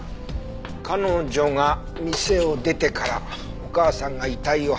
彼女が店を出てからお母さんが遺体を発見する間。